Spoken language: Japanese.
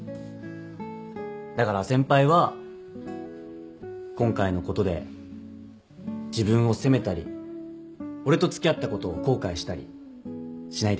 だから先輩は今回のことで自分を責めたり俺と付き合ったことを後悔したりしないでくださいね。